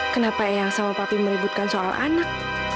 kenapa eyang sama papi meributkan soal anak